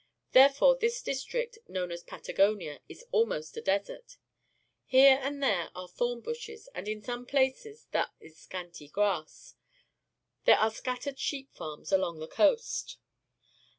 Therefore this district, known as Patagonia, is almost a desert. Here and there are thorn bushes, and in some places there is scanty grass. There are scattered sheep farms along the coast.